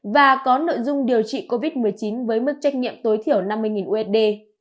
và có nội dung điều trị covid một mươi chín với mức trách nhiệm tối thiểu năm mươi usd